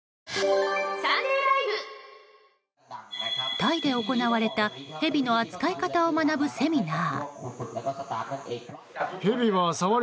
タイで行われたヘビの扱い方を学ぶセミナー。